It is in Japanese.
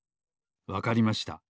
わかりました。